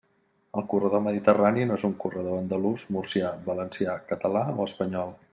El corredor mediterrani no és un corredor andalús, murcià, valencià, català o espanyol.